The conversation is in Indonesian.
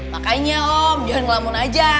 makanya om jangan ngelamon aja